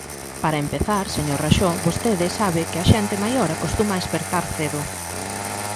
Para empezar, señor Raxó, vostede sabe que a xente maior acostuma a espertar cedo.